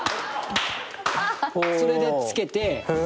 それで着けて。